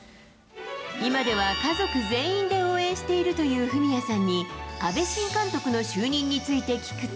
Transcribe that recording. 今では家族全員で応援しているという史耶さんに、阿部新監督の就任について聞くと。